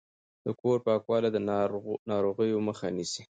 د کور پاکوالی د ناروغیو مخه نیسي۔